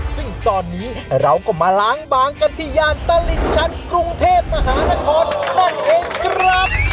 ซึ่งตอนนี้เราก็มาล้างบางกันที่ย่านตลิ่งชั้นกรุงเทพมหานครนั่นเองครับ